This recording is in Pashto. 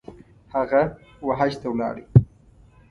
هغه ، وحج ته ولاړی